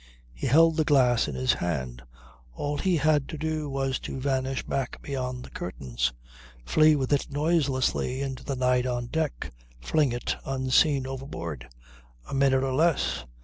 He held the glass in his hand; all he had to do was to vanish back beyond the curtains, flee with it noiselessly into the night on deck, fling it unseen overboard. A minute or less.